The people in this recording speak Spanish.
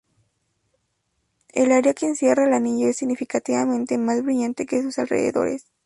El área que encierra el anillo es significativamente más brillante que su alrededores.